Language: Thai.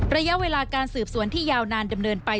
ระยะเวลาการสืบสวนที่ยาวนานดำเนินไป